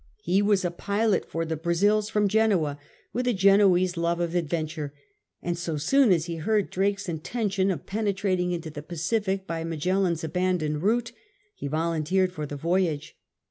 He was a pilot for the Brazils from Genoa, with a Genoese love of adventure; and so soon as he heard Drake's intention of penetrating into the Pacific by Magellan's abandoned route, he volunteered for the voyage.